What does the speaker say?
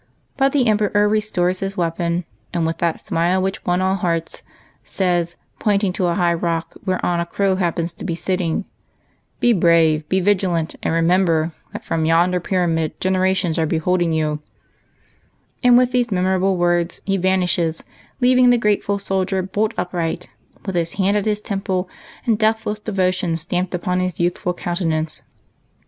But the Emperor restores his weapon, and, with that smile which won all hearts, says, jDointing to a high rock whereon a crow happens to be sitting :" Be brave, be vigilant, and remember that from yonder Pyramid generations are beholding you," and with these memorable words he vanishes, leaving the grateful soldier bolt upright, with his hand at his temple and deathless devotion stamped uj)on his youthful countenance.